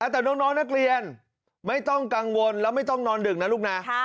แต่น้องนักเรียนไม่ต้องกังวลแล้วไม่ต้องนอนดึกนะลูกนะ